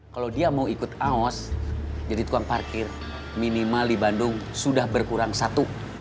kalau dia mau ikut aos jadi tukang parkir minimal di bandung sudah berkurang satu